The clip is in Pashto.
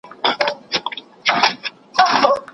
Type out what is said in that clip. که ښځه دينداره وه، نو اولادونه به دينداره وي